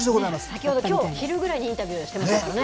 先ほど、きょう昼ぐらいにインタビューしてましたからね。